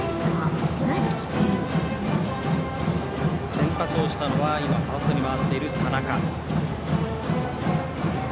先発をしたのは今ファーストに回っている田中。